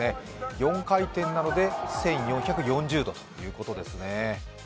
４回転なので１４４０度ということですね。